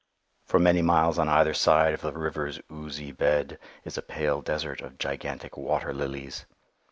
For many miles on either side of the river's oozy bed is a pale desert of gigantic water lilies.